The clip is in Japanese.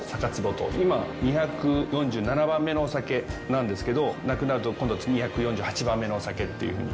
今、２４７番目のお酒なんですけど、なくなると、今度は２４８番目のお酒というふうに。